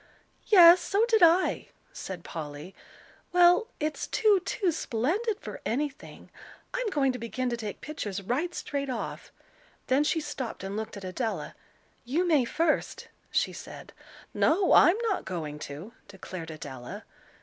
"Yes, so did I," said Polly. "Well, it's too, too splendid for anything. I'm going to begin to take pictures right straight off." Then she stopped and looked at Adela. "You may first," she said. "No, I'm not going to," declared Adela.